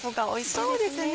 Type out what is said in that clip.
そうですね。